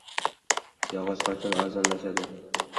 Yog‘ qachon arzonlashadi?...